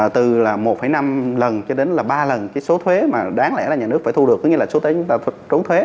từ là một năm lần cho đến là ba lần cái số thuế mà đáng lẽ là nhà nước phải thu được có nghĩa là số thuế chúng ta phải trốn thuế